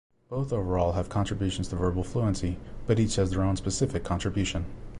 Both overall have contributions to verbal fluency, but each has their own specific contribution.